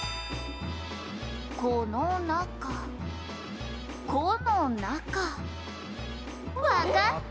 「“この中”“こ”の中」「わかった！」